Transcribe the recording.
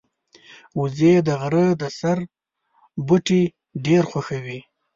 وزې د غره د سر بوټي ډېر خوښوي